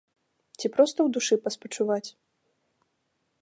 Ці проста ў душы паспачуваць.